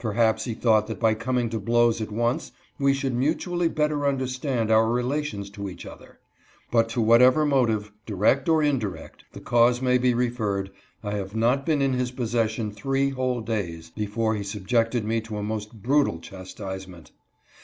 Perhaps he thought that by coming to blows at once we should mutually better understand our relations to each other. But to whatever motive, direct or indirect, the cause may be referred, I had not been in his possession three whole days before he subjected me to a most brutal chastisement.